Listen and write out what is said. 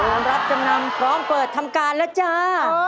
รับจำนำพร้อมเปิดทำการแล้วจ้า